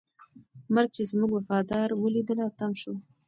مرګ چې زموږ وفاداري ولیدله، تم شو.